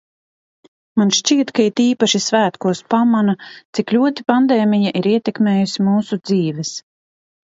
Man šķiet, ka it īpaši svētkos pamana, cik ļoti pandēmija ir ietekmējusi mūsu dzīves.